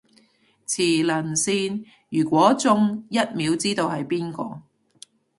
磁能線，如果中，一秒知道係邊個